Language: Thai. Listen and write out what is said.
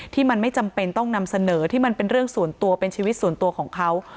ที่มันไม่จำเป็นต้องนำเสนอที่มันเป็นเรื่องส่วนตัวเป็นชีวิตส่วนตัวของเขา